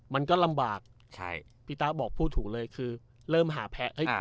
มันก็ลำบากใช่พี่ตะบอกพูดถูกเลยคือเริ่มหาแพ้